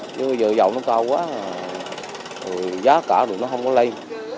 chứ bây giờ giọng nó cao quá rồi gió cả rồi nó không có lây